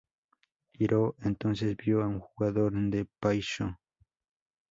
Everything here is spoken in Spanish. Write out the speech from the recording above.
Iroh entonces vio a un jugador de Pai Sho.